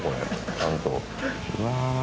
ちゃんと。